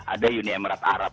ada uni emirat arab